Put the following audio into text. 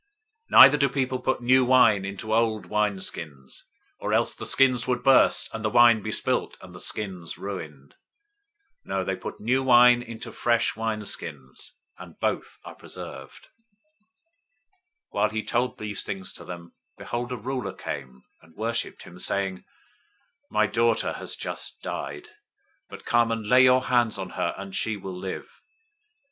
009:017 Neither do people put new wine into old wineskins, or else the skins would burst, and the wine be spilled, and the skins ruined. No, they put new wine into fresh wineskins, and both are preserved." 009:018 While he told these things to them, behold, a ruler came and worshiped him, saying, "My daughter has just died, but come and lay your hand on her, and she will live."